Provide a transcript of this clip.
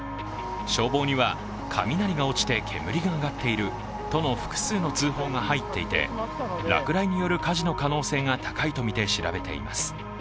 消防には雷が落ちて煙が上がっているとの複数の通報が入っていて、落雷による火事の可能性が高いとみて調べています。